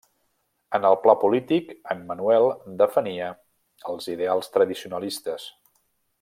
En el pla polític, en Manuel defenia els ideals tradicionalistes.